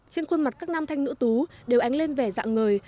trên khuôn mặt các nam thanh nữ tú đều ánh lên vẻ dạng người